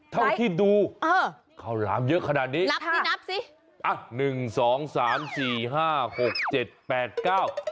เท่าที่ดูเออข้าวหลามเยอะขนาดนี้นับสินับสิอ่ะหนึ่งสองสามสี่ห้าหกเจ็ดแปดเก้า